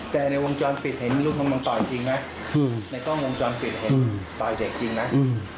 แต่ในวงจรปิดเห็นลูกกำลังต่อยจริงไหมในกล้องวงจรปิดเห็นต่อยเด็กจริงไหม